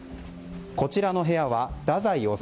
こちらの部屋は太宰治